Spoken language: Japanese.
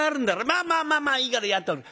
「まあまあまあまあいいからやっとくれ。